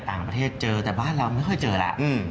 ต่างประเทศเจอแต่บ้านเราไม่ค่อยเจอแล้ว